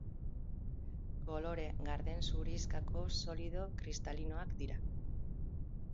Kolore garden-zurixkako solido kristalinoak dira.